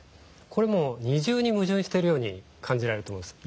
これ二重に矛盾してるように感じられると思うんです。